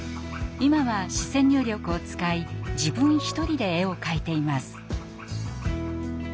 今は視線入力を使い自分一人で絵を描いています。